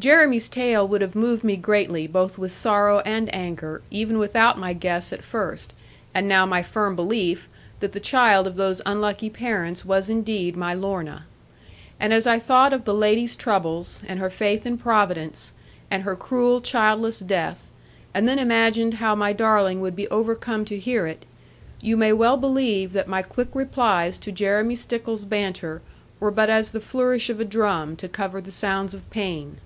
Jeremy's tale would have moved me greatly both with sorrow and anger, even without my guess at first, and now my firm belief, that the child of those unlucky parents was indeed my Lorna. And as I thought of the lady's troubles, and her faith in Providence, and her cruel, childless death, and then imagined how my darling would be overcome to hear it, you may well believe that my quick replies to Jeremy Stickles's banter were but as the flourish of a drum to cover the sounds of pain.